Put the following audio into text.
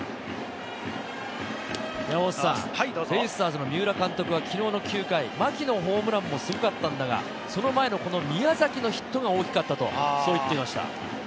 ベイスターズの三浦監督は、きのうの９回、牧のホームランもすごかったんだが、その前のこの宮崎のヒットが大きかったと、そう言っていました。